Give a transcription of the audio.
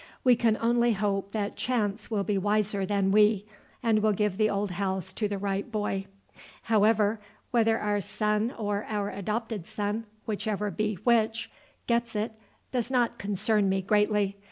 We can only hope that chance will be wiser than we, and will give the old house to the right boy. However, whether our son or our adopted son, whichever be which, gets it, does not concern me greatly.